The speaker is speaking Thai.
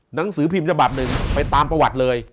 หนังสือพิมพ์ฉบับหนึ่งไปตามประวัติเลย